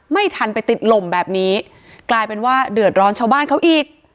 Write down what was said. ไม่ทันไปติดลมแบบนี้กลายเป็นว่าเดือดร้อนชาวบ้านเขาอีก